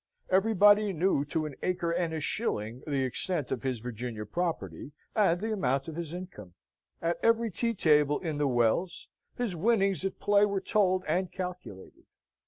Everybody knew, to an acre and a shilling, the extent of his Virginian property, and the amount of his income. At every tea table in the Wells, his winnings at play were told and calculated.